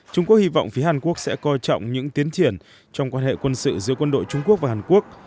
trung quốc hy vọng phía hàn quốc sẽ coi trọng những tiến triển trong quan hệ quân sự giữa quân đội trung quốc và hàn quốc